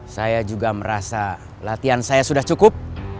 saya juga merasa latihan saya sudah cukup